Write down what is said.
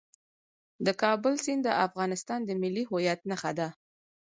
د کابل سیند د افغانستان د ملي هویت نښه ده.